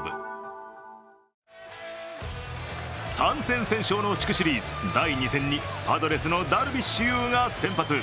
３戦先勝の地区シリーズ、第２戦にパドレスのダルビッシュ有が先発。